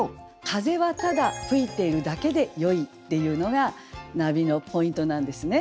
「風はただ吹いているだけで良い」っていうのがナビのポイントなんですね。